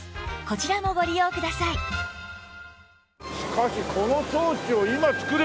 また「この装置を今作れ」